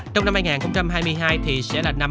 trong năm hai nghìn hai mươi hai thì sẽ là năm